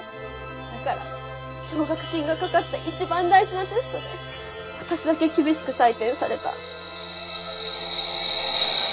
だから奨学金がかかった一番大事なテストで私だけ厳しく採点された。